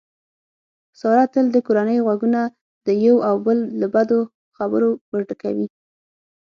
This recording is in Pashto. ساره تل د کورنۍ غوږونه د یو او بل له بدو خبرو ورډکوي.